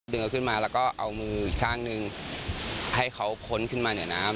เดินขึ้นมาแล้วก็เอามืออีกข้างหนึ่งให้เขาค้นขึ้นมาเหนือน้ำ